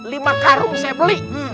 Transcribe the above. lima karung saya beli